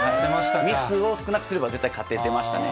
ミスを少なくすれば、絶対勝ててましたね。